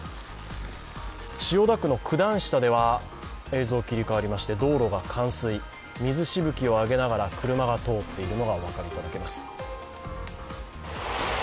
千代田区の九段下では、道路が冠水、水しぶきを上げながら車が通っているのがお分かりいただけます。